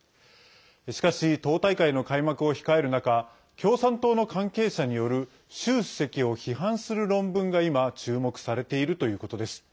しかし、党大会の開幕を控える中共産党の関係者による習主席を批判する論文が今注目されているということです。